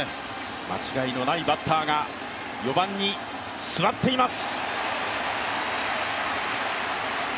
間違いのないバッターが４番に座っています。